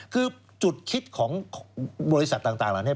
คือจุดคิดของบริษัทต่างเหล่านี้